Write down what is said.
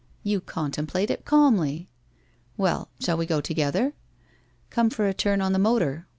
You contemplate it calmly! Well, shall we go together? Come for a turn on the motor.